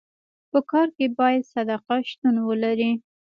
په کار کي باید صداقت شتون ولري.